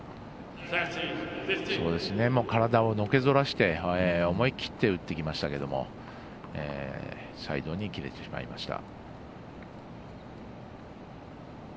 体をのけぞらせて思い切って打ってきましたけどサイドに切れてしまいました。